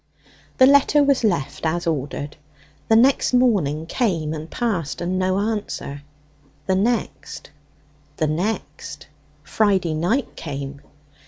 The letter was left as ordered: the next morning came and passed and no answer. The next. The next. Friday night came.